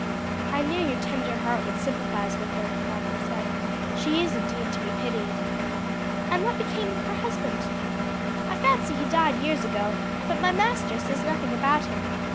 "I knew your tender heart would sympathize with her," Malcolm said; "she is indeed to be pitied." "And what became of her husband?" "I fancy he died years ago; but my master says nothing about him.